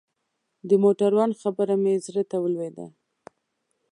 د موټروان خبره مې زړه ته ولوېده.